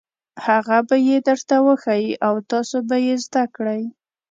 هغه به یې درته وښيي او تاسو به یې زده کړئ.